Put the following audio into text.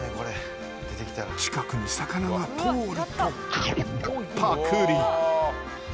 近くに魚が通るとパクリ。